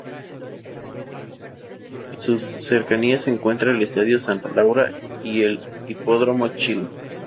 En sus cercanías se encuentran el Estadio Santa Laura y el Hipódromo Chile.